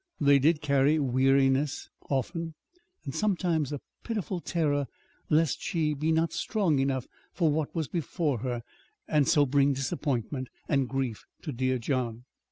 They did carry weariness, often, and sometimes a pitiful terror lest she be not strong enough for what was before her, and so bring disappointment and grief to 'dear John.'